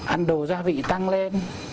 ăn đồ gia vị tăng lên